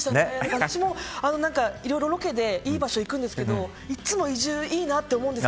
私もいろいろ、ロケでいい場所に行くんですけどいつも移住いいなと思うんです。